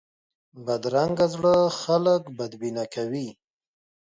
بدرنګه زړه خلک بدبینه کوي